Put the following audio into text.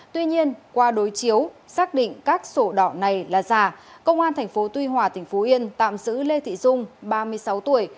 tuy nhiên qua đối chiếu xác định các sổ đỏ này là giả công an tp tuy hòa tp yên tạm giữ lê thị dung ba mươi sáu tuổi